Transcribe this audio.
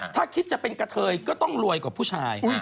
ถ้าคิดจะเป็นกะเทยก็ต้องรวยกว่าผู้ชาย